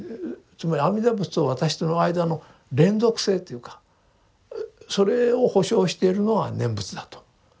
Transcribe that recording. つまり阿弥陀仏を私との間の連続性っていうかそれを保証しているのは念仏だと。